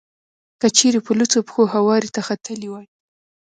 که چېرې په لوڅو پښو هوارې ته ختلی وای.